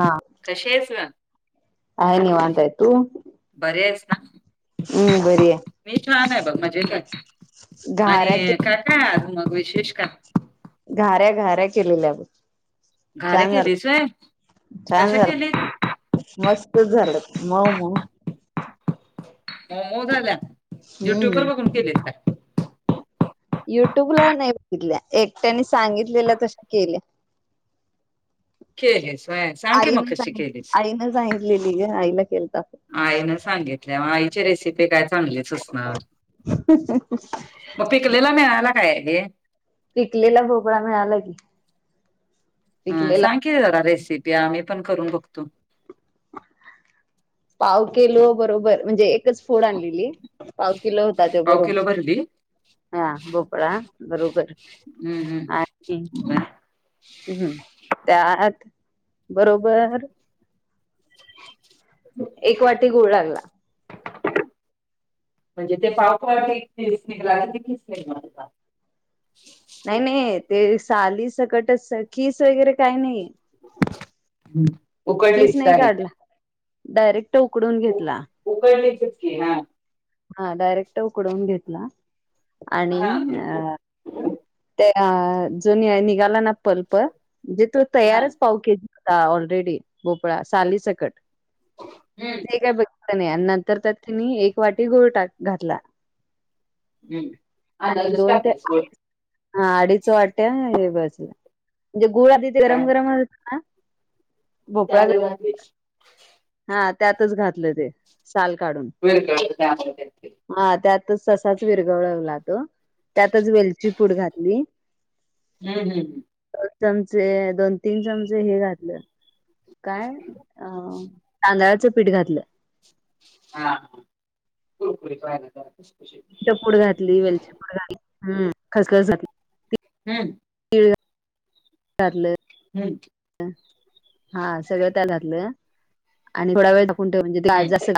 हा कशी आहेस ग? आहे निवांत तु बरी आहेस ना? बरी आहे. मी छान आहे बघ, माजेत आहे आणि घाऱ्या के काय काय अजून मग, विशेष का घाऱ्या, घाऱ्या, केलेल्या ब घाऱ्या केलीस व्हय, छान कशी झालं केलीस. मस्त झालं, मऊ मऊ हो मऊ झाल्या, युट्यूबर हम्म बघून केली काय? युट्यूबला नाही बघितल्या, एकट्याने सांगितलेलं तश केल्या. केलीस व्हय. सांग की मग आईन कशी केलीस? आईन सांगितलेली ग, आईन केलता. आईन सांगितल्या, आईची रेसिपी काय चांगलीच असणार. मग पिकलेला मिळाला काय हे पिकलेला भोपळा मिळाला कि. ह सांगे जरा रेसिपी, आम्ही पण करून बघतो. पाव किलो बरोबर, म्हणजे एकच फोड आणलेली पाव किलो होता पाव किलो बरोबर. भरली? हा भोपळा बरोबर, हं हं. आणखी हम्, त्यात बरोबर ह [unintelligible] एक वाटी गूळ लागला. [unintelligible] म्हणजे ते पाकट एक दिवस निघला क तच निघ म [unintelligible] नाही नाही ते साली सकटच, कीस वगैरे काय नाही. हम्म. कीस उकडलीस नाही डायरेक्ट. काढला, डायरेक्ट उकडून घेतला. उकळले चचके ना [unintelligible] हा डायरेक्ट उकडवून घेतला, आणि हा अ त्या जो निघाला ना पलप, म्हणजे तो हा तयारच पाव केजी आता ऑलरेडी भोपळा सालीचकट हम्म. काय ब नंतर त्या त्यांनी एक वाटी गुळ टाक घातला आणि अंदाजच दोन ते टाकायचं आठ हा आडीच वाट्या हे बसल्या, म्हणजे गुळ आधी ते गरम काय गरम अस ना भोपळा त्यागर वा [unintelligible] हा त्यातच घातलं ते, साल काढून. वळ त्या [unintelligible] हा त्यातच तसाच विरगळवला तो. त्यातच वेलची पूड घातली. हम् हम् ह दोन चमचे दोन तीन चमचे हे घातलं काय अ तांदळाचं पीठ घातलं हा हा पुरपुरी काय नाु ड घातली वेलची पडली खसखस घातली हम्म ळलं [unintelligible] हम. हा सगळं त्या घातलं, आणि थोड वेळ म्हणजे जास्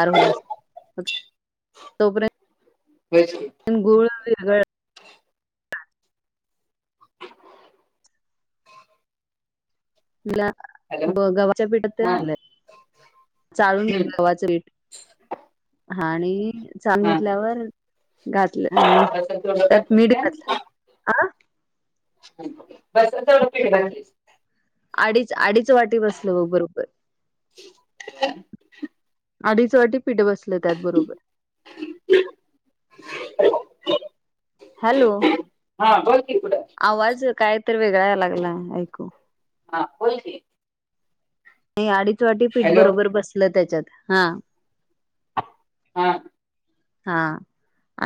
तोपर्यंत [unintelligible] म्ह [unintelligible] गोळ वगळ [unintelligible] हॅलो तु गव्हाच्या पीठात हा चालून घ गव्हाचं पीठ आणि चांगेतल्यावर घातलं हा बसल तेवढं त्यात मिडी काय घातलं ह बसवडपीठली अडीच अडीच वाटी बसलं ब बरोबर ह अडीच वाटी पीठ बसलं त्यातबरोबर [inaudible] हॅलो हा बोल की पुढं आवाज कायत वेगळा लागला ऐकू हा बोलते नाही अडीच वाटी पीठ हॅलो बरोबर बसलं त्याच्यात हा हा हा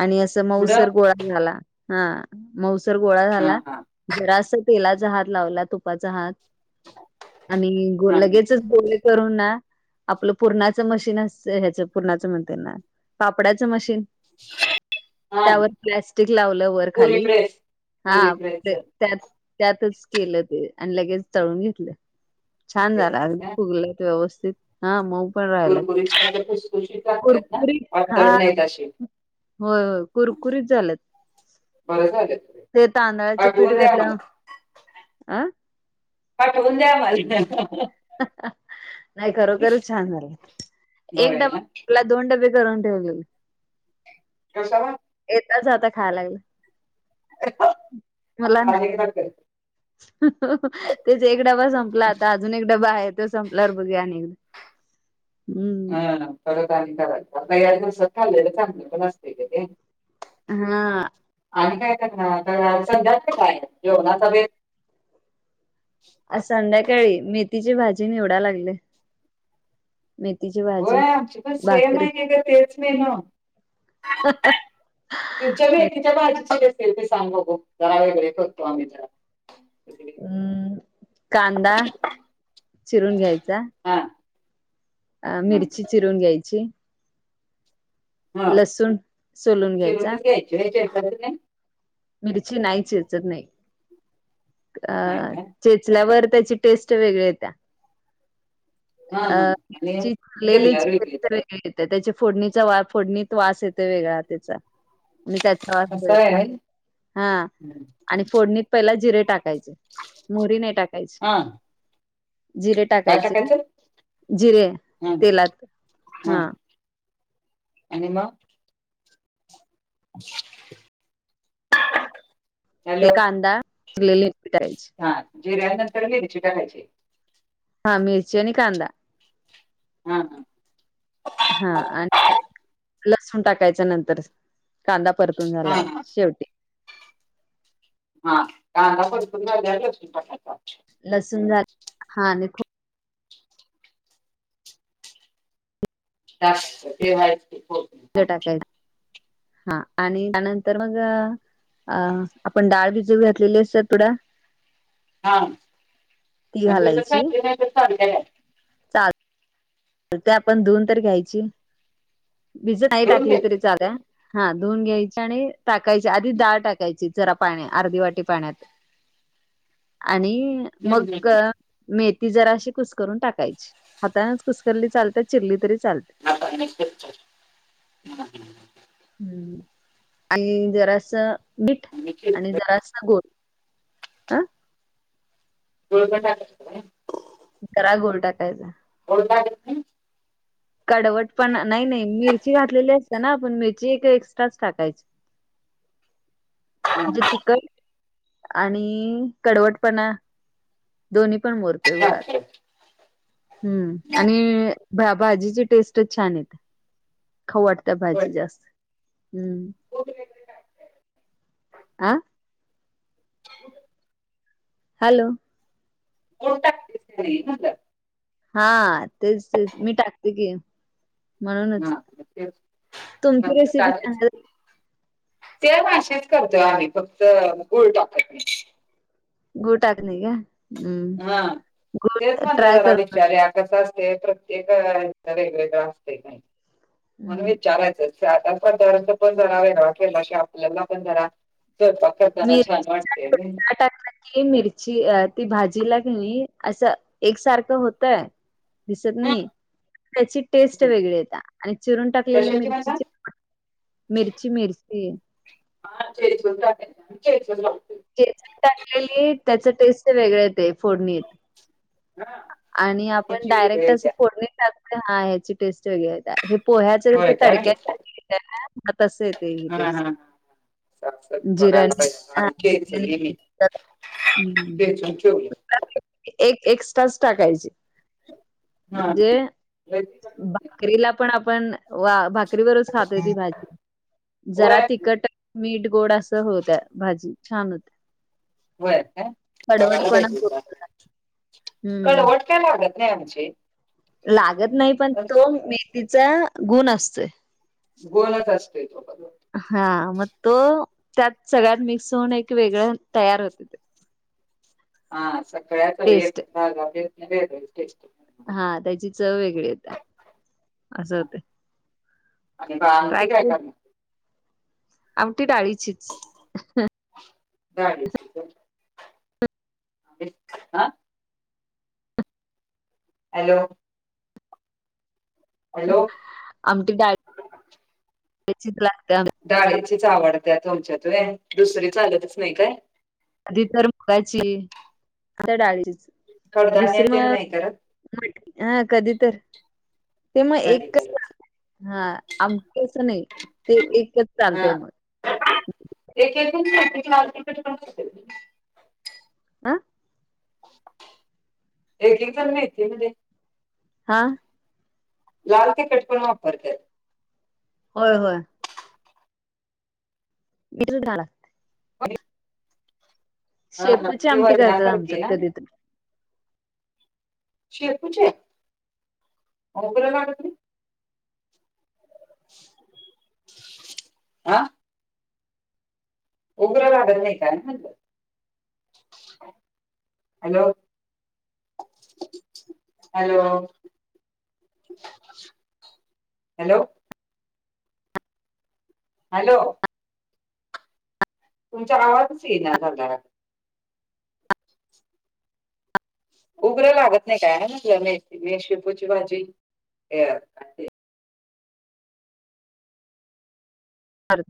आणि असं पुढं मऊसर गोळा झाला हा मस गोळा हा झाला हा जरास तेलाचा हात लावला तुपाचा हात आणि हा लगेचच ब करून ना आपलं पूर्णाच मशीन असत ह्याच पूर्णाच म्हणते ना कपड्याचं मशीन ह त्यावर प्लॅस्टिक लावलं वर पुरी खाली प्रेस हा पुरी प्रेस त्यात त्यातच केलं ते आणि लगेच तळून घेतलं छान झाला घेतलीस का अगदी फुगलेत व्यवस्थित हा मऊ पण राहिला कुरकुरीत म्हणजे खुसखुशीत लागतात ना कुरकुरीत पातळ हा नाहीत असे होय कुरकुरीत झालंत बरं झाले त तांदळाचे पीठ पाठेवून द्या घातल्या मला अ पाटव द्या मला नाही खरोखरच छान झाले एक होय ना डबा दोंड बेरंेली कसावर येतच आता खायला लागलं मला आता अनेकदा करते तेच एक डबा संपला आता अजून एक डबा आहे तो संपलावर बघे अ एकदा. हम्म ह थोडं कराय का या दिवसात खाल्लेलं चांगलं पण नसते ते. हा आणि काय करणार सध्यात का काय जेवनाचा वे- आ संध्याकाळी मेथीची भाजी निवडा लागले. मेथीची होय भाजी आमची पण सेम भाकरी. आहे का तेच मेनू अं हे तुमच्या भीकीच्या बाज असतील ते सांग बघ जरा वगैरे करतो आम्ही जरा. हम कांदा चिरून घ्यायचा हां अ मिरची चिरून घ्यायची हा लसूण सोलून घ्यायचा शिरूनच घ्यायचे घ्यायचे असतात नाही मिरची नाहीचेचत नाही नाही अ काय चेचल्यावर त्याची टेस्ट वेगळी य त्या हा अ हा आणि चिरल्यावर वेगळी येते ललेलेची त्याच्या फोडणीचा वा फोडणीत वास येतो वेगळा त्याचा आणि त्याचा वास असं वेगळा य, आहे हा आणि फोडणीत पहिला जिरे टाकायचे. मोरी नाही टाकायची हा जिरे काय टाकायचे. टाकायचं जिरे हा तेलात हा. आणि मग. च च च ते कांदागलेली. हा जेऱ्या नंतर गेरीचे टाकायचे हा मिरचीनी कांदा हा ह हा आणि लसण टाकायच्या नंतर कांदा परतून हा झाल्यावर हा शेवटी हा कारण तुलाय लसूण झा हा आणि खूप जास्त ते वा्हाय खप टाकायच हा आणि त्यानंतर मग अ आपण डाळ भिजव घातलेली आहे सर थोडा हा ती घालायची कस कस ते आपण धुऊन तर घ्यायची विज नाही धुवून टाकली तरी घ्यायचं चाल्या हा धुन घ्यायची आणि टाकायची आधी दहाळ टाकायची जरा पाण्या अर्धी वाटी पाण्यात आणि हम्म मग हम्म हम्म. मेथी जरा अशी कुसकरून टाकायची हाताानच कुसकरली चालत चिरली तरी चालते आ ह ह् आणि जरा असं मीठ आणि जरा अस गोल आह तुळ पण टा- जरा गुळ टाकायचा. लड कडवट पण नाही नाही मिरची घातलेली असत ना आपण मिरची एक एक्स्ट्राच टाकायची म्ह जे हा, तिखट आणि कडवटपणा दोन्ही पण मोरत गोळात चालतंय. हम्म आणि भाजीची टेस्टच छान य खाऊ वाटत होय. भाजी जास्त हम्म खोबरं वगैरे टाकायचं. आ हॅलो मो टाते सरी म्ह हा तेच मी टाकते की म्हणूनच हा तेच तुमची म्हणलं रेसिपी टाकायचं. सांगाल ते भाशीच करतोय आम्ही फक्त गल टाकत नाही गुळ टाकण आहे का हम्म हा तेच गूळ म्हटलं ट्राय जरा करून विचार्या कसं असते प्र्य ते का वेगवेगळं असते काही म्हणून म हम्म चालायचंच पणच पण जरा वेग आपल्याला पण जरा स् पकाातना छान मिरची वातेन टाकलं की मिरची ती भाजीला कि असं एकसारखं होतय दिसत नाही त्याची टेस्ट वेगळी येत आणि चिरून टाकलेल्या कशाची म्हणता मिरचीचे मिर्ची मिर्चीी हा च च च केच टाकलेली त्याच टेस्ट वेगळ येत फोडणीत. आणि आपण त्याची डायरेक्ट वेगळी अस द्या फोडणी टाकतो हा ह्याची टेस्ट वगर. पोह्याचे ज होय काय तडक्यासारखेेत तस येते ही टेस्ट सा बघायला जिरानी हा खच मी हम्म ते छ छ बला एक एक्स्ट्राच टाकायची हा म्हणजे भाकरीला पण आपण वा भाकरीवरच खातोय ती भाजी जरा होय तिखट मीठ गोड असं होत्या भाजी छान होत्या होय कडवटपणा थोडासा हं. कळवटक्या लागत नाही आमची लागत नाही पण तो मेथीचा गुण असतोय गोलाात अस येतो हा मग तो त्यात सगळ्यात मिक्स होऊन एक वेगळं तयार होते ते हा सकाळी आता टेस्ट. येते हा त्याची चव वेगळी हो त्या्या असं हा. होत आणि क काय कर आमटी डाळीचीच जााडी अे हा हॅलो हॅलो आमटी डाळीचीच लागते डाळीचीच आवड त्या तुमच्यातू दुसरी चालतच नाही काय आधी तर मुगाची अस डाळीच कडधान्य दुसरी म तेन नाही करत हा कधितर. ते मग कधी एकच करत हा आमचच नाही ते एकच चालतय मग. एकू लाल टिकीट पण. आ एक एक जण माे म्हण हा लाल तिखट पण वापरतात हो होय विर झाळा ब शेपूची आमटी करतात वरणासारखी आमतत ना कधीतून शिपूचे आमटी आं उघ्र वाढत नाही कात हॅलो हॅलो हॅलो हॅलो तुमचा आवाजच येईना झाला. उघर लागत नाही काय ना मे म शेपूची भाजी. खर